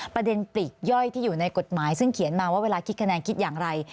ปลีกย่อยที่อยู่ในกฎหมายซึ่งเขียนมาว่าเวลาคิดคะแนนคิดอย่างไร